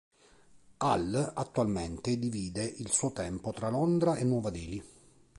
Hall Attualmente divide il suo tempo tra Londra e Nuova Delhi.